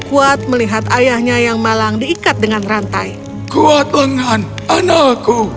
kuat melihat ayahnya yang malang diikat dengan rantai kuat lengan anakku